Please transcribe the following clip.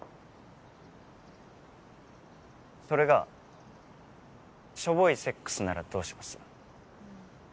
それがしょぼいセックスならどうします？